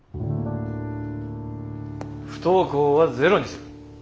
不登校はゼロにする。